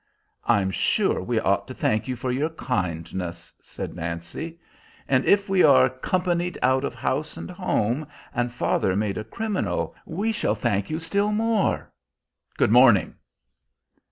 "I'm sure we ought to thank you for your kindness," said Nancy. "And if we are Companied out of house and home, and father made a criminal, we shall thank you still more. Good morning."